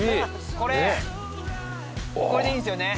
これこれでいいんすよね？